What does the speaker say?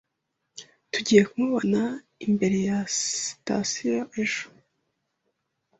Tugiye kumubona imbere ya sitasiyo ejo.